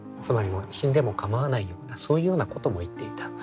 つまり死んでも構わないようなそういうようなことも言っていた。